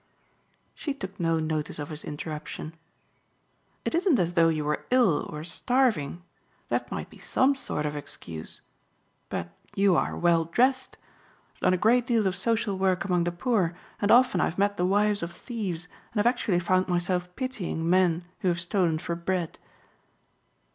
She took no notice of his interruption. "It isn't as though you were ill or starving that might be some sort of excuse but you are well dressed. I've done a great deal of social work among the poor and often I've met the wives of thieves and have actually found myself pitying men who have stolen for bread."